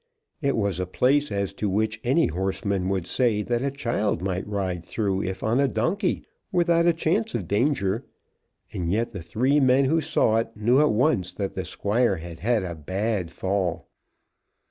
It was a place as to which any horseman would say that a child might ride through if on a donkey without a chance of danger, and yet the three men who saw it knew at once that the Squire had had a bad fall.